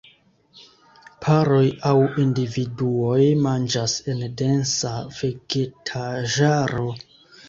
Paroj aŭ individuoj manĝas en densa vegetaĵaro.